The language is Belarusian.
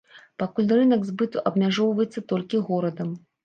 Пакуль рынак збыту абмяжоўваецца толькі горадам.